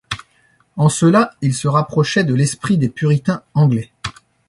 En cela, il se rapprochait de l'esprit des puritains anglais.